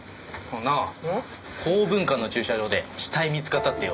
なあ港文館の駐車場で死体見つかったってよ。